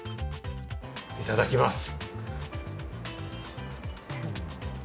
いただきます。